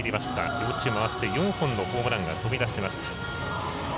両チーム合わせて４本のホームランが飛び出しました。